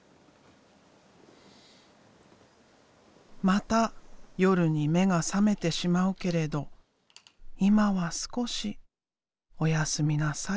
また夜に目が覚めてしまうけれど今は少し「おやすみなさい」。